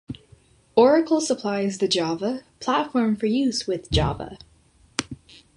Oracle supplies the Java platform for use with Java.